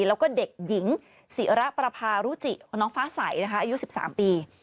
แล้วก็เด็กหญิงศิระประพารุจิน้องฟ้าใสนะคะอายุ๑๓ปี